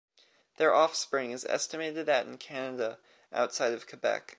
Their offspring is estimated at in Canada, outside of Quebec.